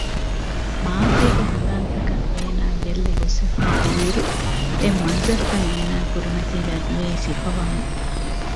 މާޒީގެ ހަނދާންތަކަށް އޭނާ ގެއްލި ހުސްވެފައިވީ އިރު އެ މަންޒަރުތައް އޭނާގެ ކުރިމަތީގައި ދިޔައީ ސިފަވަމުން